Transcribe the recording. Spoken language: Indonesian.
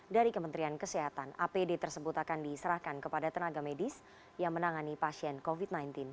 dari kementerian kesehatan apd tersebut akan diserahkan kepada tenaga medis yang menangani pasien covid sembilan belas